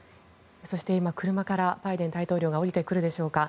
そして今、車からバイデン大統領が降りてくるでしょうか。